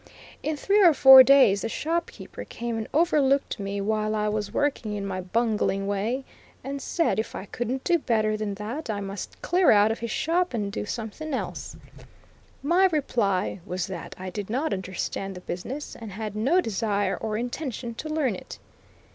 In three or four days the shop keeper came and overlooked me while I was working in my bungling way, and said if I couldn't do better than that I must clear out of his shop and do something else. My reply was that I did not understand the business, and had no desire or intention to learn it.